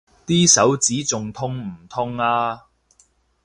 啲手指仲痛唔痛啊？